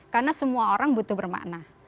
karena semua orang butuh bermakna